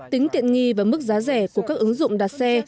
tính tiện nghi và mức giá rẻ của các ứng dụng đặt xe